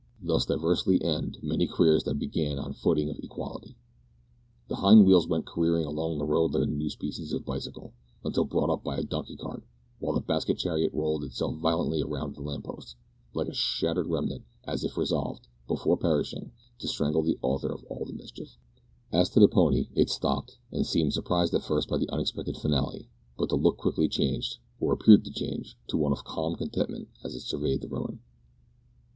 Thus diversely end many careers that begin on a footing of equality! The hind wheels went careering along the road like a new species of bicycle, until brought up by a donkey cart, while the basket chariot rolled itself violently round the lamp post, like a shattered remnant, as if resolved, before perishing, to strangle the author of all the mischief. As to the pony, it stopped, and seemed surprised at first by the unexpected finale, but the look quickly changed or appeared to change to one of calm contentment as it surveyed the ruin.